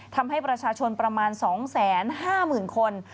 ทำให้ประชาชนประมาณ๒๕๐๐๐คน